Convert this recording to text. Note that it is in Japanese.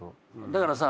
だからさ